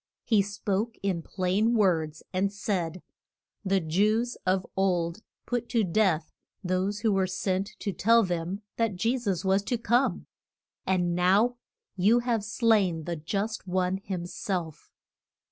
He spoke in plain words, and said, The Jews of old put to death those who were sent to tell them that Je sus was to come; and now you have slain the Just One him self.